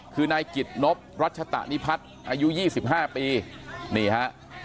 คือนายกิตนพรัชฎานิพัฒน์อายุยี่สิบห้าปีนี่ฮะ